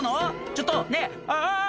ちょっとねぇあぁ！